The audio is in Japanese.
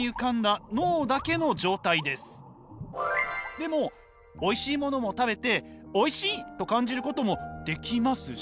でもおいしいものを食べておいしいと感じることもできますし。